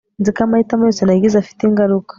nzi ko amahitamo yose nagize afite ingaruka